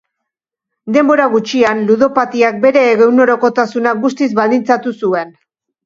Denbora gutxian ludopatiak bere egunerokotasuna guztiz baldintzatu zuen.